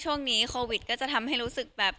ช่วงนี้โควิดก็จะทำให้รู้สึกแบบ